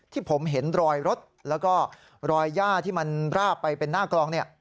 ที่ผมเห็นรอยรถแล้วก็รอยย่าที่มันราบไปเป็นหน้ากลองเนี่ย